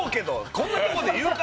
こんなとこで言うか！